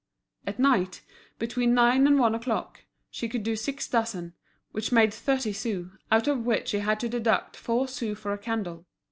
At night, between nine and one o'clock, she could do six dozen, which made thirty sous, out of which she had to deduct four sous for a candle.